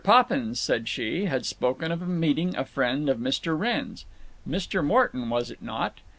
Poppins, said she, had spoken of meeting a friend of Mr. Wrenn's; Mr. Morton, was it not?